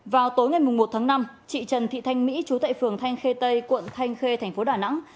vào tối ngày một tháng năm chị trần thị thanh mỹ trú tại phường thanh khê tây quận thanh khê thành phố đà nẵng